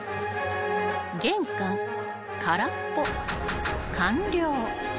［玄関空っぽ完了］